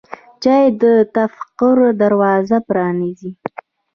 چای د تفکر دروازه پرانیزي.